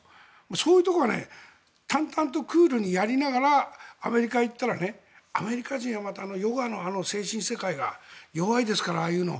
そういうところは淡々とクールにやりながらアメリカに行ったらアメリカ人はまたヨガの精神世界が弱いですから、ああいうの。